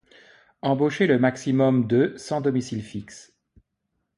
Embaucher le maximum de sans domicile fixe.